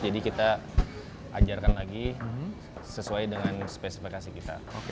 jadi kita ajarkan lagi sesuai dengan spesifikasi kita